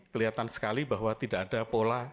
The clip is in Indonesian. kelihatan sekali bahwa tidak ada pola